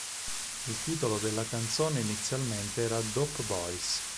Il titolo della canzone inizialmente era "Dope Boys".